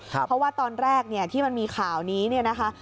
เพราะว่าตอนแรกที่มันมีข่าวนี้นะคะ